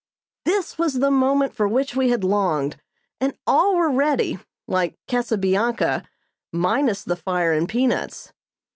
This was the moment for which we had longed, and all were ready, like Cassibianca, minus the fire and peanuts.